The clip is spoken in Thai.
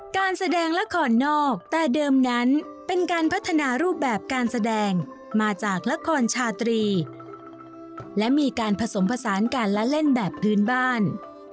การแสดงละครนอกแต่เดิมนั้นเป็นการพัฒนารูปแบบการแสดงมาจากละครชาตรีและมีการผสมผสานการละเล่นแบบพื้นบ้าน